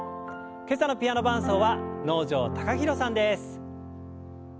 今朝のピアノ伴奏は能條貴大さんです。